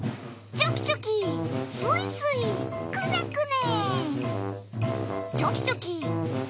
チョキチョキスイスイクネクネ。